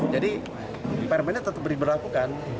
jadi permainan tetap diberlakukan